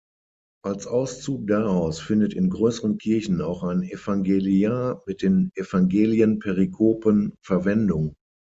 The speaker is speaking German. Als Auszug daraus findet in größeren Kirchen auch ein Evangeliar mit den Evangelien-Perikopen Verwendung.